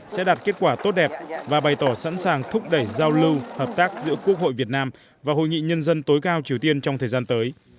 sẽ đạt kết quả tốt đẹp và bày tỏ sẵn sàng thúc đẩy giao lưu hợp tác giữa quốc hội việt nam và hội nghị nhân dân tối cao triều tiên trong thời gian tới